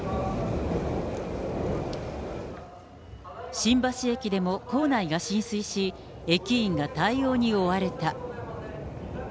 新橋駅でも構内が浸水し、駅員が対応に追われた。